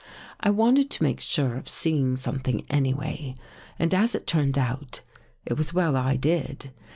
I wanted to make sure of seeing something anyway. And, as it turned out, it was well I did.